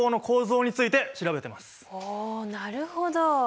おなるほど。